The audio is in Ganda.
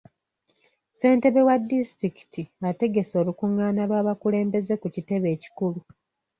Ssentebe wa disitulikiti ategese olukungaana lw'abakulembeze ku kitebe ekikulu.